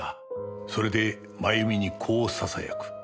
それでまゆみにこうささやく。